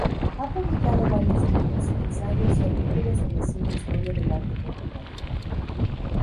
Ha publicado varios libros, ensayos y artículos sobre cine e historia del arte contemporáneo.